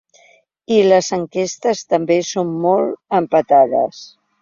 I les enquestes també són molt empatades.